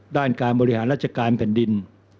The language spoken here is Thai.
ด้านการบริหารราชการแผ่นดิน